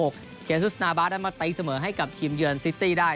เคซุสนาบาได้มาตะยิ้งเสมอให้กับทีมเยือนซิตตี้ได้